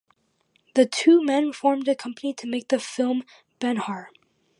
The two men formed a company to make the film, Benhar.